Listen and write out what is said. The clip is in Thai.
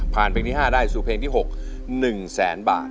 ภาร์มเพลงที่๕ได้สู่เพลง๖๑๐๐๐๐๐บาท